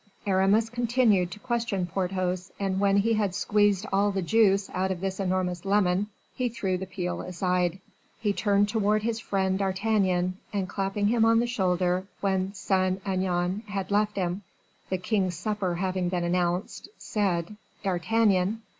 Aramis continued to question Porthos, and when he had squeezed all the juice out of this enormous lemon, he threw the peel aside. He turned towards his friend D'Artagnan, and clapping him on the shoulder, when Saint Aignan had left him, the king's supper having been announced, said, "D'Artagnan."